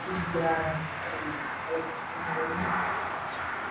Ingresa a la política postulando encabezando la Lista Independiente No.